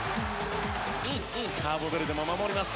カーボベルデも守ります。